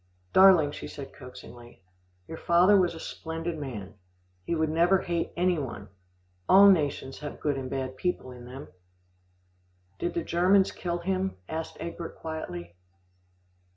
"Darling," she said coaxingly, "your father was a splendid man. He would never hate any one. All nations have good and bad people in them." "Did the Germans kill him?" asked Egbert quietly.